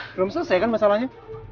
belum selesai kan masalahnya